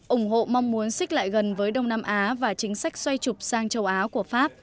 ủng hộ mong muốn xích lại gần với đông nam á và chính sách xoay trục sang châu á của pháp